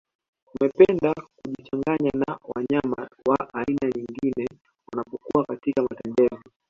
Wanapenda kujichanganya na wanyama wa aina nyingine wanapokuwa katika matembezi